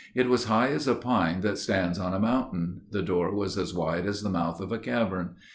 It was high as a pine that stands on a mountain. The door was as wide as the mouth of a cavern.